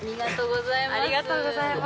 ありがとうございます。